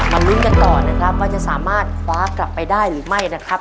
ลุ้นกันต่อนะครับว่าจะสามารถคว้ากลับไปได้หรือไม่นะครับ